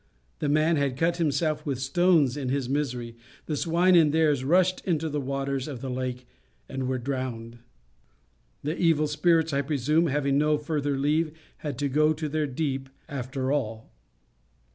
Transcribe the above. The man had cut himself with stones in his misery; the swine in theirs rushed into the waters of the lake and were drowned. The evil spirits, I presume, having no further leave, had to go to their deep after all.